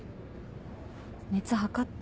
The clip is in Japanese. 熱測った？